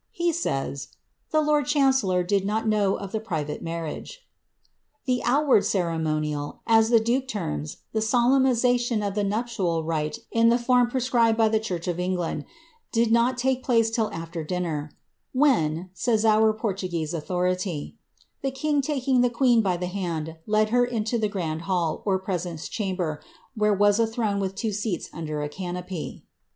He says, ^ the lord chan lor did not know of the private marriage.^' The outward ceremonial, the duke terms the solemnization of the nuptial rite in the form pre ibed by the church of England, did not take place till after dinner ; rhen,^^ says our Portuguese authority, ^ the king taking the queen by I hand, led her into the grand hall or presence chamber, where was irone with two seats under a canopy.'